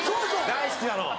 大好きなの。